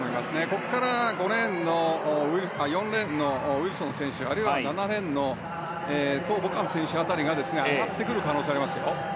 ここから４レーンのウィルソン選手あるいは７レーンのトウ・ボカン選手辺りが上がってくる可能性がありますよ。